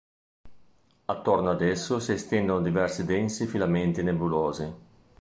Attorno ad esso si estendono diversi densi filamenti nebulosi.